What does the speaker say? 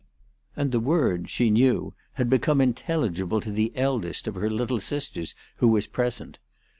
And tlie word, she knew, had become intelligible to the eldest of her little sisters who was present.